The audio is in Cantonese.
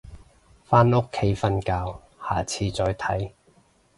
返屋企瞓覺，下次再睇